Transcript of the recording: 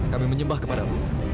kami menyembah kepadamu